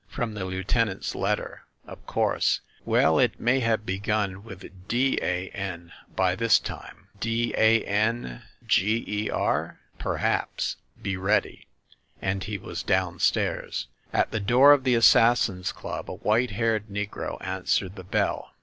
"From the lieutenant's letter." "Of course. Well, it may have begun with 'D a n* by this time." "D a n g e r?" "Perhaps. Be ready !" And he was down stairs. At the door of the Assassins' Club, a white haired negro answered the bell.